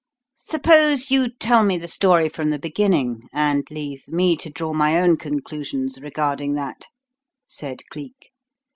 "Suppose you tell me the story from the beginning, and leave me to draw my own conclusions regarding that," said Cleek.